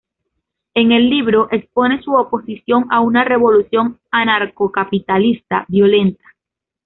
En el libro, expone su oposición a una revolución anarcocapitalista violenta.